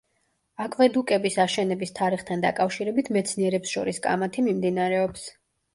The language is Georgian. აკვედუკების აშენების თარიღთან დაკავშირებით მეცნიერებს შორის კამათი მიმდინარეობს.